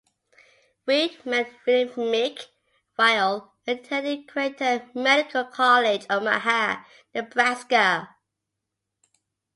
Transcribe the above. Wead met William Mick while attending Creighton Medical College in Omaha, Nebraska.